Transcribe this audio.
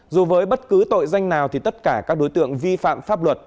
dù với bất cứ tội danh nào thì tất cả các đối tượng vi phạm pháp luật